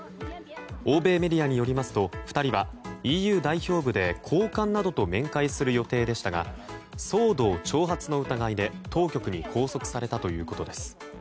欧米メディアによりますと２人はＥＵ代表部で高官などと面会する予定でしたが騒動挑発の疑いで、当局に拘束されたということです。